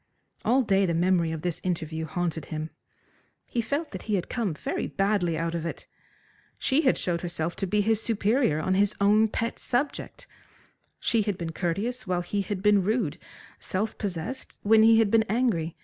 All day the memory of this interview haunted him. He felt that he had come very badly out of it. She had showed herself to be his superior on his own pet subject. She had been courteous while he had been rude, self possessed when he had been angry.